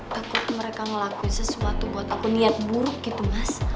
takut mereka ngelakuin sesuatu buat aku niat buruk gitu mas